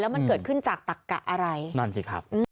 แล้วมันเกิดขึ้นจากตักะอะไรนั่นจริงครับ